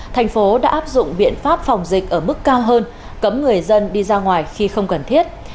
thành phố đã áp dụng biện pháp phòng dịch ở mức cao hơn cấm người dân đi ra ngoài khi không cần thiết